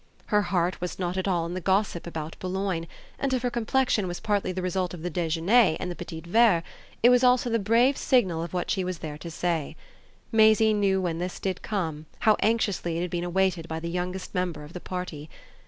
Her heart was not at all in the gossip about Boulogne; and if her complexion was partly the result of the déjeuner and the petits verres it was also the brave signal of what she was there to say. Maisie knew when this did come how anxiously it had been awaited by the youngest member of the party.